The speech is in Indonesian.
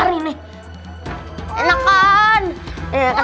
asahin kalian berdua